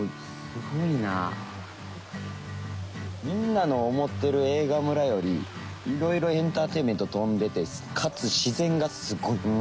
みんなの思ってる映画村より色々エンターテインメント富んでてかつ自然がすごい。